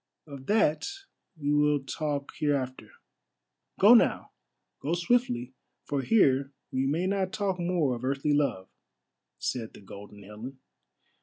"Of that we will talk hereafter. Go now! Go swiftly, for here we may not talk more of earthly love," said the Golden Helen.